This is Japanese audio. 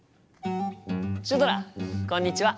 シュドラこんにちは！